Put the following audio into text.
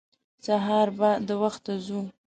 سهار به د وخته ځو.